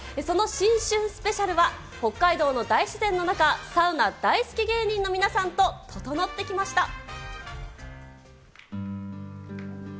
その新春スペシャルは、北海道の大自然の中、サウナ大好き芸人の皆さんとととのってきました。